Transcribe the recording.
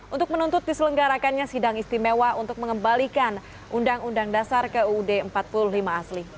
untuk menuntut diselenggarakannya sidang istimewa untuk mengembalikan undang undang dasar ke ud empat puluh lima asli